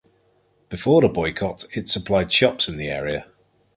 Before the boycott, it supplied shops in the area.